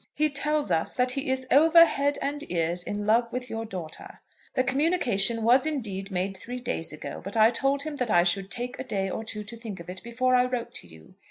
He tells us that he is over head and ears in love with your daughter. The communication was indeed made three days ago, but I told him that I should take a day or two to think of it before I wrote to you.